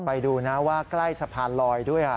ไปดูนะว่าใกล้สะพานลอยด้วย